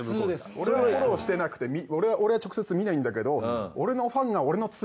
俺はフォローしてなくて俺は直接見ないんだけど。